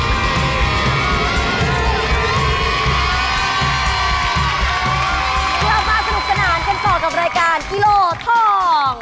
ที่เรามาสนุกสนานกันก่อนกับรายการกิโลทอง